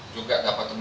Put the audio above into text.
juga dapat tenang